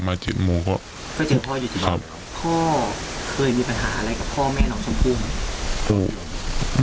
พ่อเคยมีปัญหาอะไรกับพ่อแม่น้องชมปุ้ง